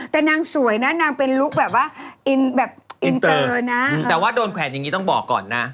แต่นางสวยนะนางเป็นลุคแบบว่าอินเตอร์นะแต่ว่าโดนแขวนอย่างนี้ต้องบอกก่อนนะ